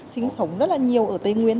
sinh sống rất là nhiều ở tây nguyên